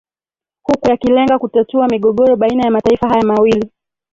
huku yakilenga kutatua migogoro baina ya mataifa haya mawili